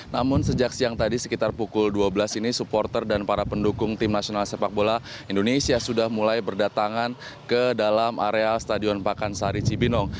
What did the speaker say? namun sejak siang tadi sekitar pukul dua belas ini supporter dan para pendukung tim nasional sepak bola indonesia sudah mulai berdatangan ke dalam area stadion pakansari cibinong